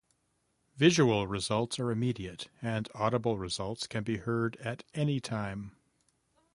Visual results are immediate, and audible results can be heard at any time.